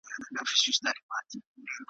دا خیرات دی که ښادي که فاتحه ده `